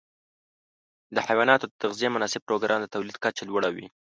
د حيواناتو د تغذیې مناسب پروګرام د تولید کچه لوړه وي.